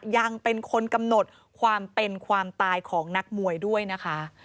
ยังเป็นคนกำหนดความเป็นความตายของนักมวยด้วยนะคะ